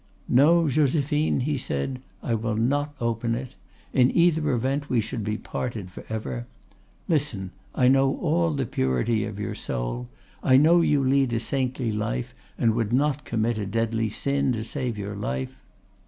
"'No, Josephine,' he said, 'I will not open it. In either event we should be parted for ever. Listen; I know all the purity of your soul, I know you lead a saintly life, and would not commit a deadly sin to save your life.